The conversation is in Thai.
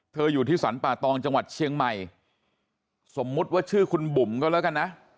อยู่ที่สรรป่าตองจังหวัดเชียงใหม่สมมุติว่าชื่อคุณบุ๋มก็แล้วกันนะ